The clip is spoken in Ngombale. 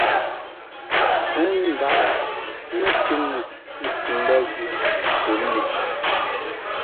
Ə́ ndághʼ mətiŋə ntsʉ ndə̂ zʉ́ tə mê.